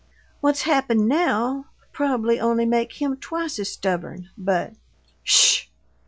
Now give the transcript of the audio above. What's happened now'll probably only make him twice as stubborn, but " "SH!"